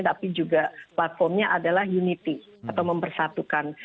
tapi juga platformnya adalah unity atau mempersatukan